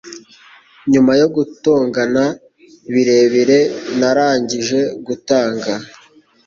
Nyuma yo gutongana birebire, narangije gutanga.